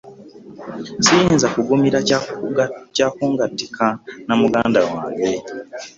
Siyinza kugumira kya kungattika na muganda wange.